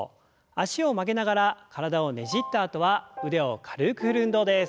脚を曲げながら体をねじったあとは腕を軽く振る運動です。